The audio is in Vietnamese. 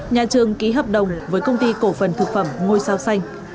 nhà trường ký hợp đồng với công ty cổ phần thực phẩm ngôi sao xanh